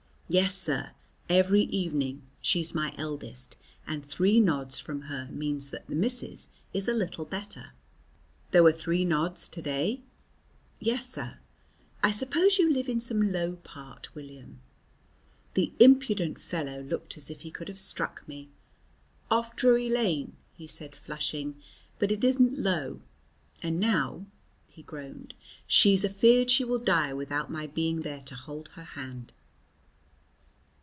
"Yes, sir, every evening; she's my eldest, and three nods from her means that the missus is a little better." "There were three nods to day?" "Yes, sir. "I suppose you live in some low part, William?" The impudent fellow looked as if he could have struck me. "Off Drury Lane," he said, flushing, "but it isn't low. And now," he groaned, "she's afeared she will die without my being there to hold her hand."